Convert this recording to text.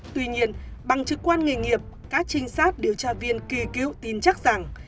tuy nhiên bằng chức quan nghề nghiệp các trinh sát điều tra viên kỳ cữu tin chắc rằng